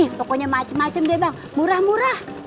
nih pokoknya macem macem deh bang murah murah